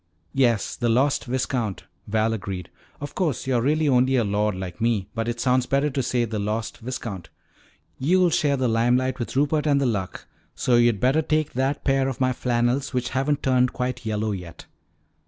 "Yes, the lost viscount," Val agreed. "Of course, you're really only a Lord like me, but it sounds better to say 'the lost viscount.' You'll share the limelight with Rupert and the Luck, so you'd better take that pair of my flannels which haven't turned quite yellow yet."